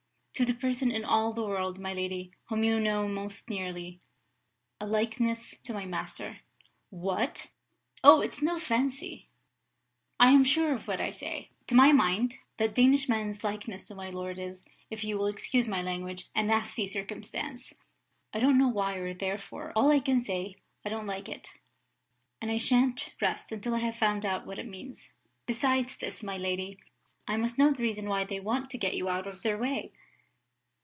"To the person in all the world, my lady, whom you know most nearly a likeness to my master." "What!" "Oh, it's no fancy; I am sure of what I say. To my mind, that Danish man's likeness to my lord is (if you will excuse my language) a nasty circumstance. I don't know why or wherefore all I can say is, I don't like it; and I shan't rest until I have found out what it means. Besides this, my lady, I must know the reason why they want to get you out of their way.